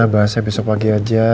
bahasanya besok pagi aja